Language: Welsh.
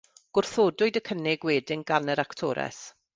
Gwrthodwyd y cynnig wedyn gan yr actores.